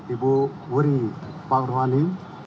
ibu wuri pak rohani